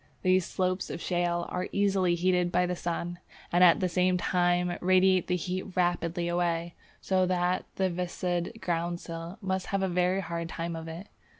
These slopes of shale are easily heated by the sun, and at the same time radiate the heat rapidly away, so that the Viscid Groundsel must have a very hard time of it.